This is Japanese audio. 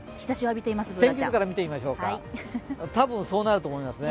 天気図から見てみましょうか、多分、そうなると思いますね。